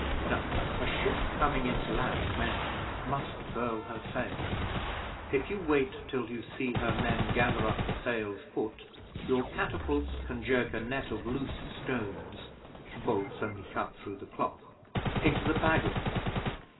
'Now a ship coming in to land men must furl her sail. If you wait till you see her men gather up the sail's foot, your catapults can jerk a net of loose stones (bolts only cut through the cloth) into the bag of it.